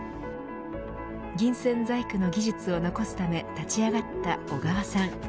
銀線細工の技術を残すため立ち上がった小川さん。